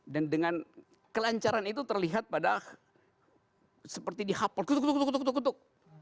dan dengan kelancaran itu terlihat pada seperti di hapol kutuk kutuk